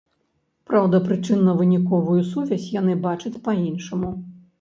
Праўда, прычынна-выніковую сувязь яны бачаць па-іншаму.